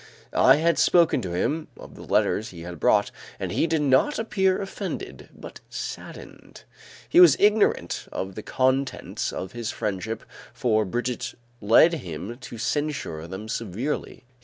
I had spoken to him of the letters he had brought, and he did not appear offended, but saddened. He was ignorant of the contents and his friendship for Brigitte led him to censure them severely.